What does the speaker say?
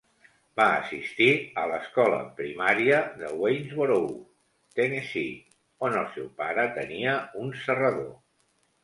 Va assistir a l'escola primària de Waynesboro, Tennessee, on el seu pare tenia un serrador.